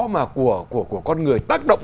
mà của con người tác động